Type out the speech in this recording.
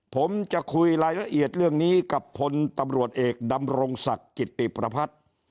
ผมจะคุยรายละเอียดเรื่องนี้กับพลตำรวจเอกดำรงศักดิ์กิติประพัฒน์